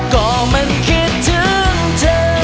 ก็มันคิดถึงเธอ